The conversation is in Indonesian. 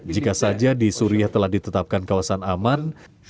jika saja di suriah telah ditetapkan kawasan aman